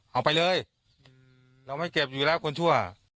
เอาไปเลยเราไม่เก็บอยู่แล้วคนทั่ว